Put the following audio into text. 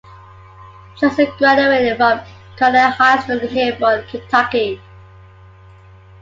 Johnson graduated from Conner High School in Hebron, Kentucky.